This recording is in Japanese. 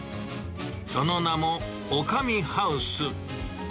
その名も、オカミハウス。